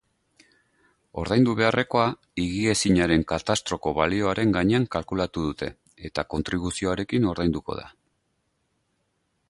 Ordaindu beharrekoa higiezinaren katastroko balioaren gainean kalkulatu dute, eta kontribuzioarekin ordainduko da.